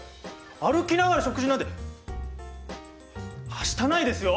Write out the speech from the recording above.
歩きながら食事なんてはしたないですよ！